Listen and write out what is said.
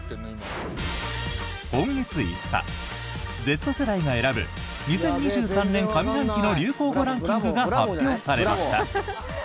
今月５日、Ｚ世代が選ぶ２０２３年上半期の流行語ランキングが発表されました。